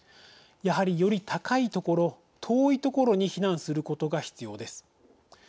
やはり、より高い所、遠い所に避難することが必要です。